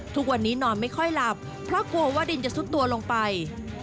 ทุกวันนี้นอนไม่ค่อยหลับเพราะกลัวว่าดินจะซุดตัวลงไป